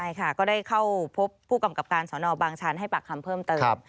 ใช่ค่ะก็ได้เข้าพบผู้กำกับการสอนอบางชันให้ปากคำเพิ่มเติม